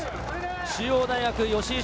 中央大学・吉居駿